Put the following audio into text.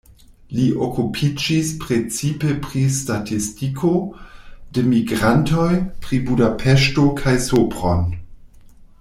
Li okupiĝis precipe pri statistiko de migrantoj, pri Budapeŝto kaj Sopron.